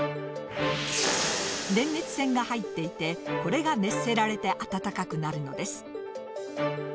電熱線が入っていてこれが熱せられて温かくなるのです。